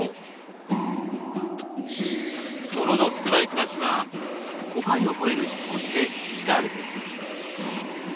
モノの少ない暮らしは５回を超える引っ越しで培われてきました。